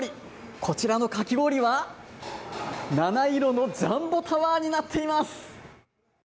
こちらのかき氷は七色のジャンボタワーになっています。